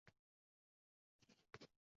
Goʼyo ortar kundan kun nolam